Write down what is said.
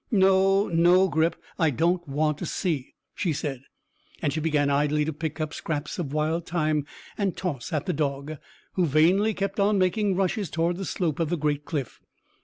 "No, no, Grip; I don't want to see," she said; and she began idly to pick up scraps of wild thyme and toss at the dog, who vainly kept on making rushes toward the slope of the great cliff.